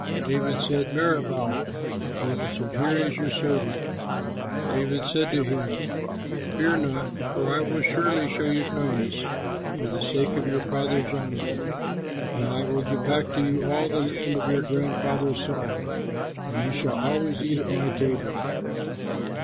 David said, "Meribaal!" He answered, "Here is your servant!" David said to him, "Fear not, for I will surely show you kindness for the sake of your father Jonathan, and I will give back to you all the land of your grandfather Saul; and you shall always eat at my table."